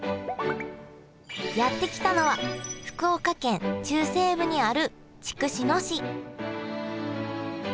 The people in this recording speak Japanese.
やって来たのは福岡県中西部にある筑紫野市